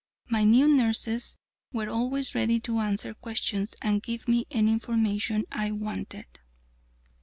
My new nurses were always ready to answer questions and give me any information I wanted.